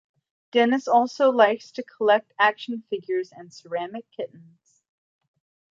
Dennis also likes to collect action figures and ceramic kittens.